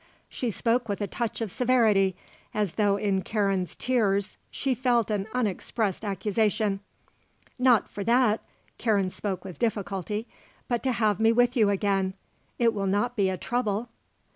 She spoke with a touch of severity, as though in Karen's tears she felt an unexpressed accusation. "Not for that," Karen spoke with difficulty. "But to have me with you again. It will not be a trouble?"